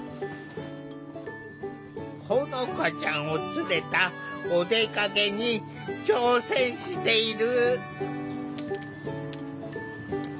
ほのかちゃんを連れたお出かけに挑戦している。